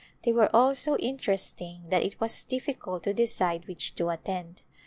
They were all so interesting that it was difficult to decide which to attend.